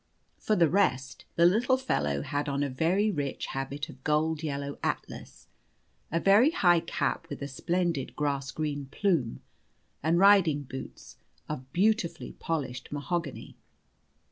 For the rest, the little fellow had on a very rich habit of gold yellow atlas, a fine high cap with a splendid grass green plume, and riding boots of beautifully polished mahogany.